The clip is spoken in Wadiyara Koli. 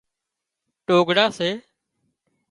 ٽوگھڙا سي